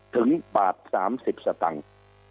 ถึงบาท๓๐สตังค์